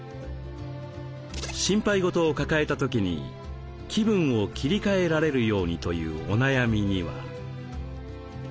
心配事を抱えた時に気分を切り替えられるようにというお悩みには。